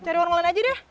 cari warung lain aja deh